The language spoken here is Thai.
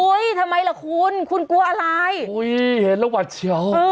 ทำไมล่ะคุณคุณกลัวอะไรอุ้ยเห็นแล้วหวัดเชียว